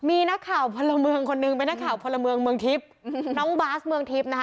มีนักข่าวภรรณาเมืองคนหนึ่งแว่นักข่าวภรรณาเมืองเทียปเนข่าวภรรณาเมืองเทียป